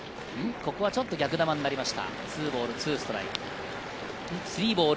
ここはちょっと逆球になりました。